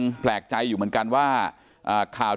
ที่โพสต์ก็คือเพื่อต้องการจะเตือนเพื่อนผู้หญิงในเฟซบุ๊คเท่านั้นค่ะ